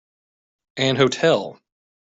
An hotel.